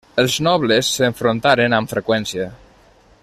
Els nobles s'enfrontaren amb freqüència.